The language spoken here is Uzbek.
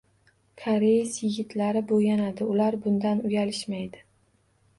Koreys yigitlari bo‘yanadi, ular bundan uyalishmaydi.